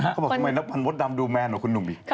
เขาบอกว่าทำไมนักปันวดดำดูแมนหรือคุณหนุ่มอีก